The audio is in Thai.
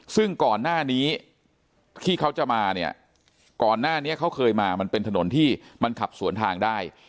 ซึ่งก่อนหน้านี้ที่เขาจะมาเนี่ยก่อนหน้านี้เขาเคยมามันเป็นถนนที่มันขับสวนทางได้